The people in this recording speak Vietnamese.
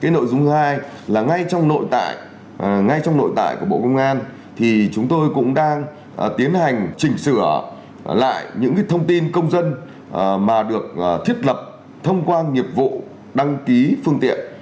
cái nội dung thứ hai là ngay trong nội tại ngay trong nội tại của bộ công an thì chúng tôi cũng đang tiến hành chỉnh sửa lại những thông tin công dân mà được thiết lập thông qua nghiệp vụ đăng ký phương tiện